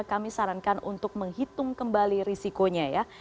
kami sarankan untuk menghitung kembali risikonya ya